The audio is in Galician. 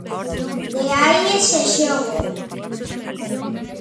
De aí ese xogo.